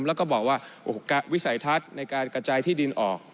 แล้วก็บอกว่าวิสัยทัศน์ในการกระจายที่ดินออก